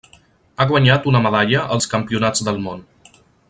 Ha guanyat una medalla als Campionats del Món.